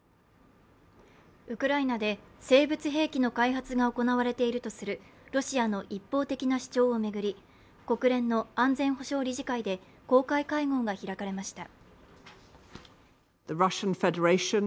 ウクライナで生物兵器の開発が行われているとするロシアの一方的な主張を巡り、国連の安全保障理事会で、公開会合が開かれました。